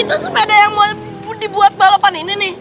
itu sepeda yang mau dibuat balapan ini nih